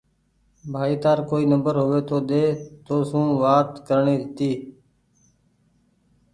ڀآئي تآر ڪوئي نمبر هووي تو تونٚ سون وآت ڪرڻي هيتي